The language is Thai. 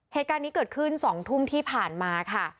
เหตุการณ์นี้เกิดขึ้น๒ทุ่มที่ผ่านมาค่ะ